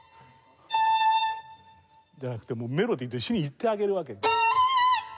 じゃなくてメロディと一緒にいってあげるわけ。